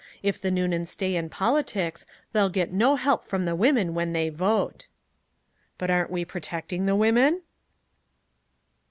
If the Noonans stay in politics, they'll get no help from the women when they vote!" "But aren't we protecting the women?"